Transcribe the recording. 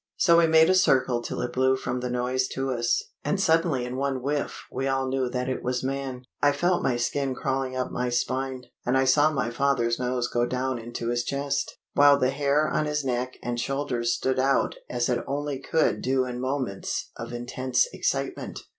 So we made a circle till it blew from the noise to us; and suddenly in one whiff we all knew that it was man. I felt my skin crawling up my spine, and I saw my father's nose go down into his chest, while the hair on his neck and shoulders stood out as it only could do in moments of intense excitement.